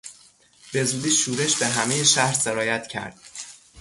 به زودی شورش به همهی شهر سرایت کرد.